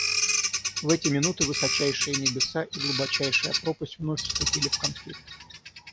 В эти минуты высочайшие небеса и глубочайшая пропасть вновь вступили в конфликт.